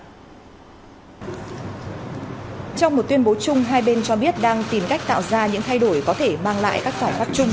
trong một tuyên bố chung hai bên cho biết đang tìm cách tạo ra những thay đổi có thể mang lại các khoản khắc chung